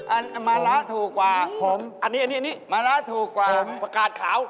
อันนี้ถูกสุดมาระถูกกว่าผักอะกาศขาว